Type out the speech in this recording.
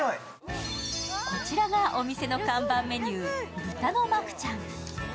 こちらがお店の看板メニュー豚のマクチャン。